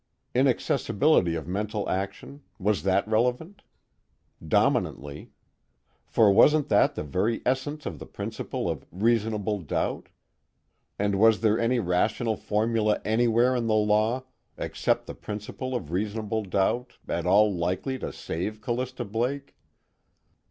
Inaccessibility of mental action: that was relevant. Dominantly. For wasn't that the very essence of the principle of "reasonable doubt"? And was there any rational formula anywhere in the law, except the principle of reasonable doubt, at all likely to save Callista Blake?